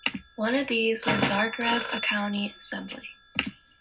One of these was the Zagreb County Assembly.